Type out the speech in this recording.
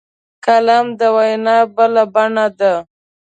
قلم د وینا بله بڼه ده